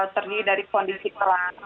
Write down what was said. terdiri dari kondisi telan